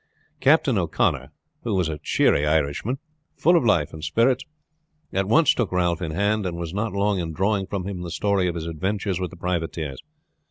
Captain O'Connor, who was a cheery Irishman, full of life and spirits, at once took Ralph in hand, and was not long in drawing from him the story of his adventures with the privateers.